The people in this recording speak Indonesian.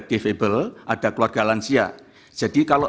defable ada keluarga lansia jadi kalau